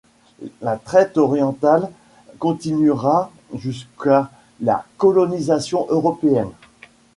La traite orientale continuera jusqu'à la colonisation européenne.